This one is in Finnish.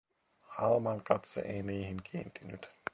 Alman katse ei niihin kiintynyt.